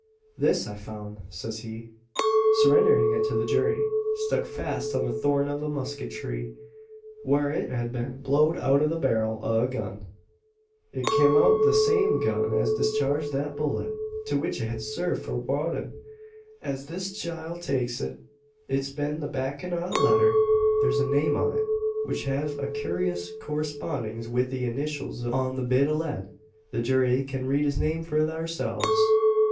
"This I foun'," says he, surrendering it to the jury, "stuck fast on the thorn o' a muskeet tree, whar it hed been blowed out o' the barrel o' a gun. It kim out o' the same gun as discharged thet bullet to which it hed served for waddin'. As this chile takes it, it's bin the backin' o' a letter. Thur's a name on it, which hev a kewrious correspondings wi' the ineeshuls on the bit o' lead. The jury kin read the name for tharselves."